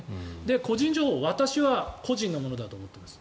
個人情報、私は個人のものだと思っています。